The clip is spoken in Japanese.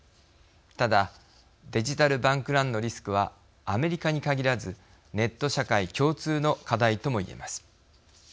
ただ、デジタル・バンク・ランのリスクは、アメリカに限らずネット社会共通の課題とも言えます。